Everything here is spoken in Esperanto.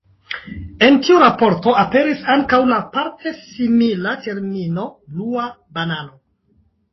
En tiu raporto aperis ankaŭ la parte simila termino Blua Banano.